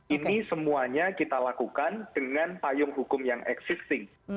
ini semuanya kita lakukan dengan payung hukum yang existing